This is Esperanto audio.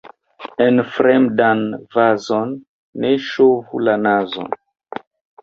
En fremdan vazon ne ŝovu la nazon.